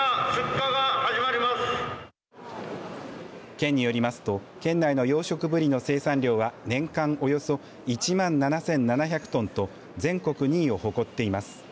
県によりますと県内の養殖ブリの生産量は年間およそ１万７７００トンと全国２位を誇っています。